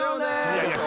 いやいや